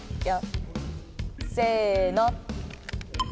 せの。